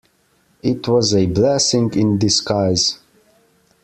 It was a blessing in disguise.